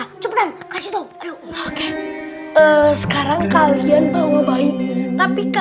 habis ini yang keluar kedua itu aku